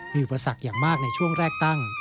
มีอุปสรรคอย่างมากในช่วงแรกตั้ง